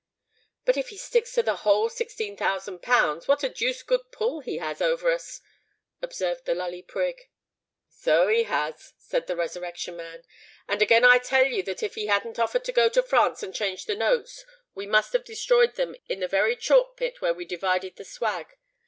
"But if he sticks to the whole sixteen thousand pounds, what a deuced good pull he has over us," observed the Lully Prig. "So he has," said the Resurrection Man; "and again I tell you that if he hadn't offered to go to France and change the notes, we must have destroyed them in the very chalk pit where we divided the swag.